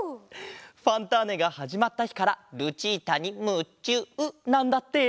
「ファンターネ！」がはじまったひからルチータにむちゅうなんだって！